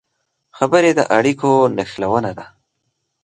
خبرې د اړیکو نښلونه ده